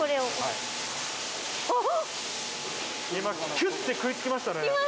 キュッて食いつきましたね。